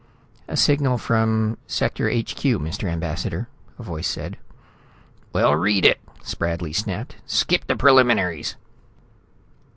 "A signal from Sector HQ, Mr. Ambassador," a voice said. "Well, read it," Spradley snapped. "Skip the preliminaries."